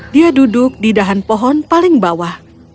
dia duduk di dahan pohon paling bawah